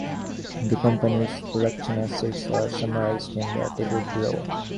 The company's production assets are summarised in the table below.